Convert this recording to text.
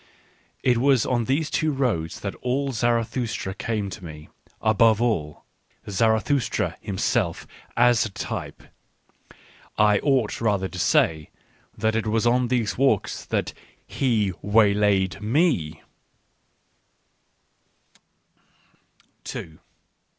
It was on these two roads that all Zarathustra came to me, above all, Zarathustra himself as a type — I ought rather to say that it was on these walks that he waylaid me.